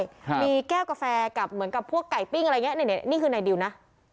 ครับมีแก้วกาแฟกับเหมือนกับพวกไก่ปิ้งอะไรอย่างเงี้เนี้ยนี่คือในดิวนะ